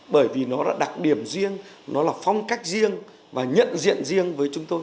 bởi vì nó là đặc điểm riêng nó là phong cách riêng và nhận diện riêng với chúng tôi